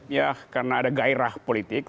ya karena ada gairah politik